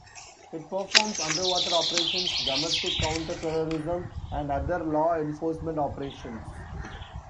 It performs underwater operations, domestic counter-terrorism and other law enforcement operations.